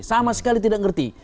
sama sekali tidak mengerti